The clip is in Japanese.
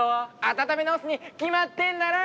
温め直すに決まってんだろ。